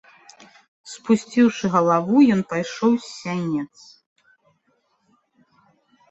Спусціўшы галаву, ён пайшоў з сянец.